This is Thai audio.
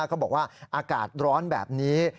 เขาบอกว่าอากาศร้อนแบบนี้